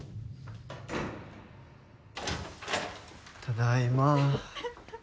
ただいま。